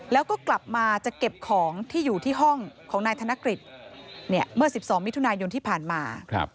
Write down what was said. แล้วก็กลับมาจะเก็บของที่อยู่ที่ห้องของนายธนกฤษเมื่อ๑๒มิถุนายนที่ผ่านมา